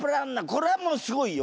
これはもうすごいよ！